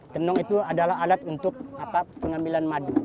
tenung itu adalah alat untuk pengambilan madu